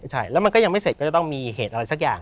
ใช่แล้วมันก็ยังไม่เสร็จก็จะต้องมีเหตุอะไรสักอย่าง